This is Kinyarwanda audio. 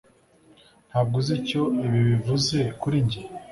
ntabwo uzi icyo ibi bivuze kuri njye